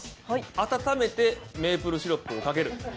温めてメープルシロップをかける？